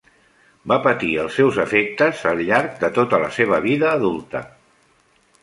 Va patir els seus efectes al llarg de tota la seva vida adulta.